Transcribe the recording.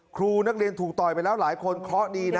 ครูนักเรียนถูกต่อยไปแล้วหลายคนเคราะห์ดีนะ